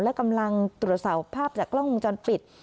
และกำลังตรวจสอบภาพจากกล้องวงจรปิด